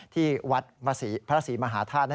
ที่วัดพระสีมหาท่าน